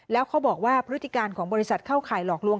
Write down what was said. แล้วเขาบอกว่าพฤติการของบริษัทเข้าข่ายหลอกลวง